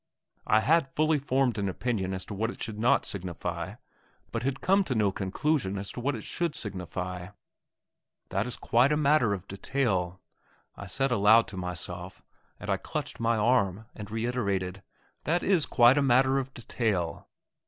I had fully formed an opinion as to what it should not signify, but had come to no conclusion as to what it should signify. "That is quite a matter of detail," I said aloud to myself, and I clutched my arm and reiterated: "That is quite a matter of detail."